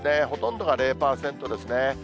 ほとんどが０％ですね。